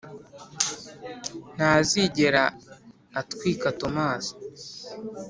ntazigera atwika thomas